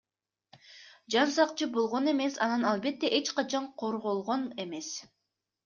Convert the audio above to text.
Жансакчы болгон эмес, анан албетте эч кандай корголгон эмес.